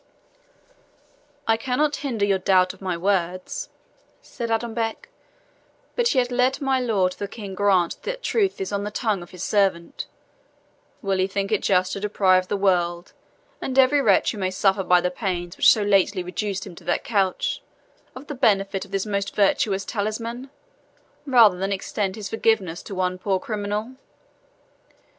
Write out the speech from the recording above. "I cannot hinder your doubt of my words," said Adonbec; "but yet let my Lord the King grant that truth is on the tongue of his servant will he think it just to deprive the world, and every wretch who may suffer by the pains which so lately reduced him to that couch, of the benefit of this most virtuous talisman, rather than extend his forgiveness to one poor criminal?